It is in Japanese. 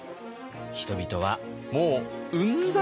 人々はもううんざり。